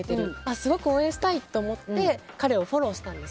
すごく応援したいと思って彼をフォローしたんです。